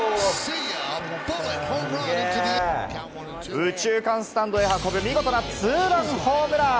右中間スタンドに運ぶ、見事なツーランホームラン！